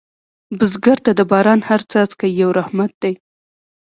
بزګر ته د باران هره څاڅکې یو رحمت دی